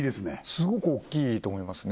すごくおっきいと思いますね